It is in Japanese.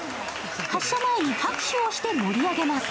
発射前に拍手をして盛り上げます。